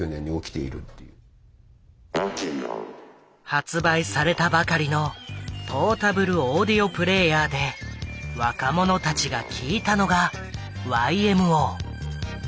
発売されたばかりのポータブルオーディオプレーヤーで若者たちが聴いたのがＹＭＯ。